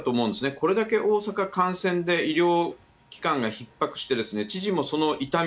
これだけ大阪、感染で医療機関がひっ迫して、知事もその痛み、